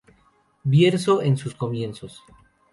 Bierzo en sus comienzos.